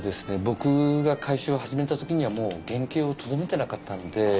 僕が改修を始めた時にはもう原形をとどめてなかったんで。